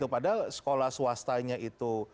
padahal sekolah swastanya itu